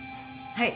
はい！